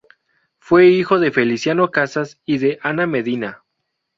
Fue hijo de Feliciano Casas y de Ana Medina.